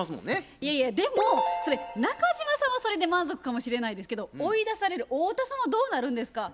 いやいやでもそれ中島さんはそれで満足かもしれないですけど追い出される太田さんはどうなるんですか？